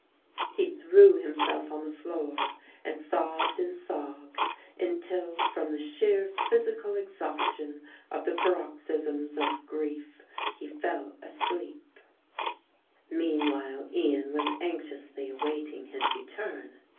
He threw himself on the floor and sobbed and sobbed until from the sheer physical exhaustion of the paroxysms of grief he fell asleep. Meanwhile Ian was anxiously awaiting his return.